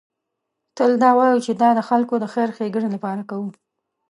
تل دا وایو چې دا د خلکو د خیر ښېګڼې لپاره کوو.